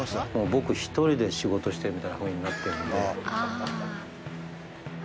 僕一人で仕事してるみたいなふうになってるんで。